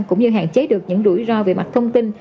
cũng như hạn chế được những rủi ro về mặt thông tin